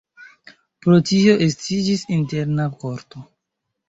Pro tio estiĝis interna korto.